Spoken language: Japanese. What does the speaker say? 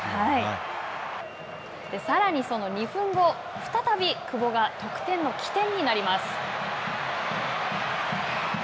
さらにその２分後、再び久保が得点の起点になります。